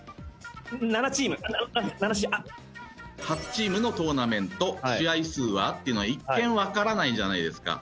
「８チームのトーナメント試合数は？」っていうのは一見わからないじゃないですか。